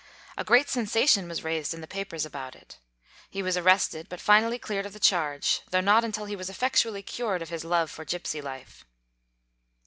A great sensation was raised in the papers about it. He was arrested, but finally cleared of the charge, though not until he was effectually cured of his love for gypsy life.